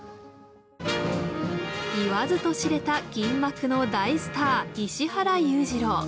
言わずと知れた銀幕の大スター石原裕次郎。